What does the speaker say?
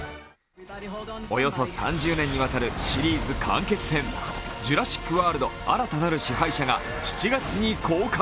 およそ３０年にわたるシリーズ完結編「ジュラシック・ワールド／新たなる支配者」が７月に公開。